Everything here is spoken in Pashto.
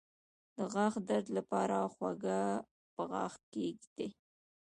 د غاښ درد لپاره هوږه په غاښ کیږدئ